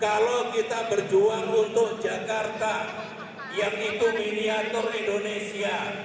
kalau kita berjuang untuk jakarta yang itu miniatur indonesia